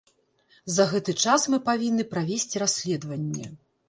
За гэты час мы павінны правесці расследаванне.